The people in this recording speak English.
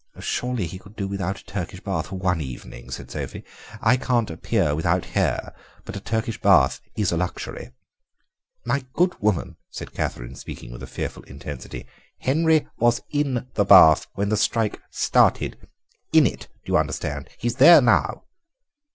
"Surely he could do without a Turkish bath for one evening," said Sophie; "I can't appear without hair, but a Turkish bath is a luxury." "My good woman," said Catherine, speaking with a fearful intensity, "Henry was in the bath when the strike started. In it, do you understand? He's there now."